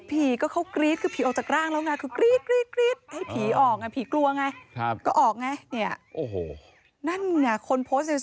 พ่อลูกกิ๊ดออกไปเลยแล้วออกไป